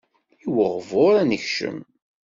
I ubɣur ad n-yekcem.